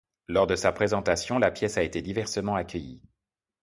Lors de sa présentation la pièce a été diversement accueillie.